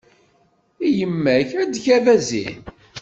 I yemma-k ad d-tegg abazin.